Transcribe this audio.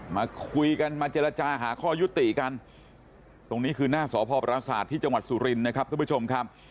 มาคุยกันมาเจรจาหาข้อยุติกันตรงนี้คือหน้าสพปราศาสตร์ที่จังหวัดสุรินนะครับทุกผู้ชมครับ